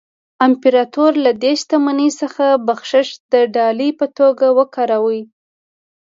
امپراتور له دې شتمنۍ څخه بخشش د ډالۍ په توګه ورکاوه.